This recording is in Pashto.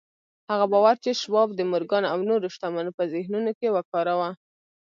هغه باور چې شواب د مورګان او نورو شتمنو په ذهنونو کې وکاره.